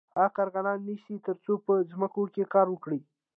هغه کارګران نیسي تر څو په ځمکو کې کار وکړي